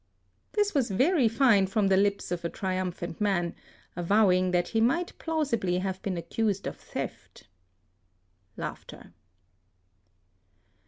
This was very fine from the lips of a triumphant man, avowing that he might plausibly have been accused of theft.